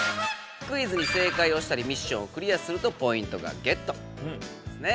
クイズに正解をしたりミッションをクリアするとポイントがゲットですね。